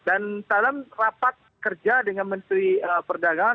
dan dalam rapat kerja dengan menteri perdagangan